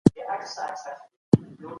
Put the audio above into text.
قوي متن هم د کمزورې ادا سره ستړی کوونکی کېږي.